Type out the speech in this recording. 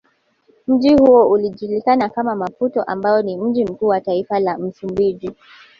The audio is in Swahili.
Mji huo ukijulikana kama Maputo ambao ni mji mkuu wa taifa la msumbiji